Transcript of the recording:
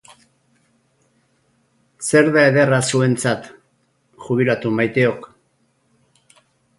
Zer da ederra zuentzat, jubilatu maiteok?